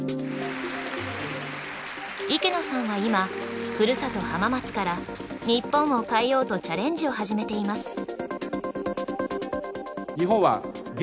池野さんは今ふるさと浜松から日本を変えようとチャレンジを始めています。